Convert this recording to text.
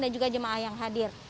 juga jemaah yang hadir